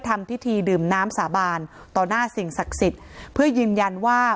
ทำพิธีดื่มน้ำสาบานต่อหน้าสิ่งศักดิ์สิทธิ์เพื่อยืนยันว่า